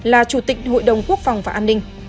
là chủ tịch hội đồng quốc phòng và an ninh